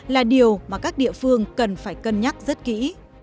là điều mà các địa phương cần phải cân nhắc rất kỹ